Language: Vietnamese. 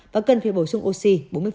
và cần phía bổ sung oxy bốn mươi